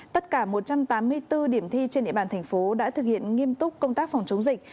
tất cả một trăm tám mươi bốn điểm thi trên địa bàn thành phố đã thực hiện nghiêm túc công tác phòng chống dịch